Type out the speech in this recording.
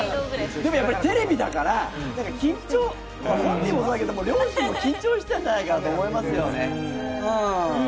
でも、テレビだから緊張本人もそうだけど、両親も緊張していたんじゃないかと思いますよね。